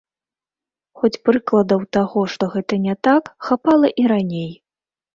Хоць прыкладаў таго, што гэта не так, хапала і раней.